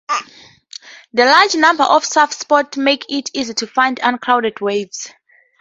The large number of surf spots make it easy to find uncrowded waves.